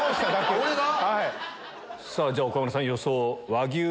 俺が⁉じゃ岡村さん予想。